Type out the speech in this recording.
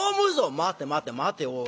「待て待て待ておい。